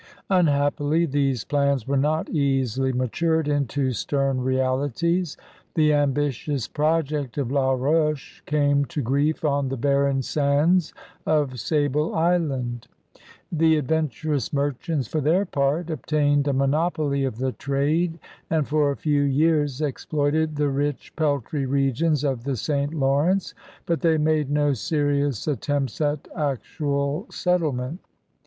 Unhappily these plans were not easily matured into stem realities. The ambitious project of La Roche came to grief on the barren sands of Sable Island. The adventurous merchants, for their part, obtained a monopoly of the trade and for a few years exploited the rich peltry regions of the St. Lawrence, but they made no serious attempts at actual settlement.